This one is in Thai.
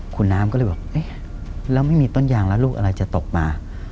คุณน้ำก็เลยบอกเอ๊ะแล้วไม่มีต้นยางแล้วลูกอะไรจะตกมา